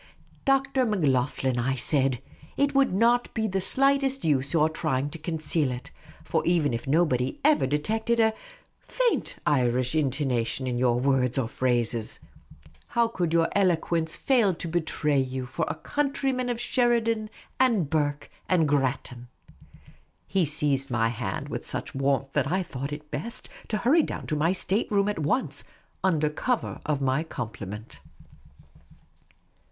" Dr. Macloghlen," I said, " it would not be the slightest use your trying to conceal it ; for even if nobody 1 86 Miss Cayley's Adventures ever detected a faint Irish intonation in your words or phrases — how could your eloquence fail to betray you for a countryman of Sheridan and Burke and Grattan ?" He seized my hand with such warmth that I thought it best to hurry down to my state room at once, under cover of my compliment.